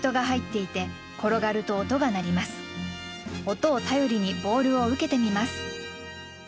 音を頼りにボールを受けてみます。